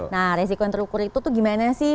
nah resiko yang terukur itu tuh gimana sih